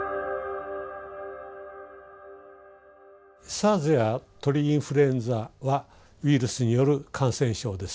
ＳＡＲＳや鳥インフルエンザはウイルスによる感染症です。